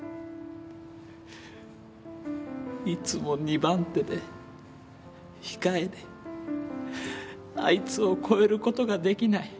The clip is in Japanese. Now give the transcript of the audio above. いつも２番手で控えであいつを超えることができない。